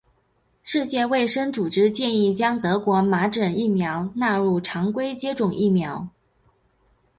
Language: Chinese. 世界卫生组织建议将德国麻疹疫苗纳入常规接种疫苗。